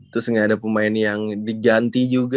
terus nggak ada pemain yang diganti juga